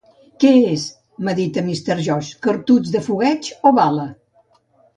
"Què és", medita Mr. George, "cartutx de fogueig o bala?"